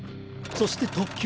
そして特級。